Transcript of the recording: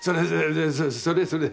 それそれ！